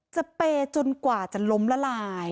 เปย์จนกว่าจะล้มละลาย